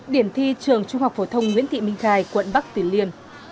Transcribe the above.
điểm thi trường trung học phổ thông nguyễn thị minh khai quận bắc tuyên liên